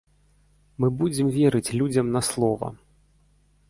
Мы будзем верыць людзям на слова.